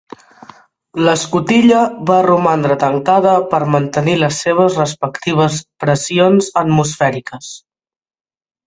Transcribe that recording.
L'escotilla va romandre tancada per mantenir les seves respectives pressions atmosfèriques.